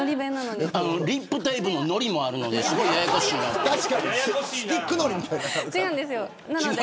リップタイプののりもあるのでややこしいなって。